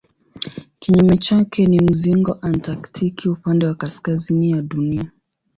Kinyume chake ni mzingo antaktiki upande wa kaskazini ya Dunia.